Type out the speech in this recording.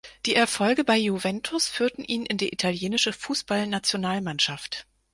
Die Erfolge bei Juventus führten ihn in die italienische Fußballnationalmannschaft.